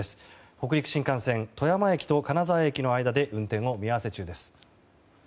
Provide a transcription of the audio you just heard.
北陸新幹線富山駅と金沢駅の間で運転を見合わせ中です。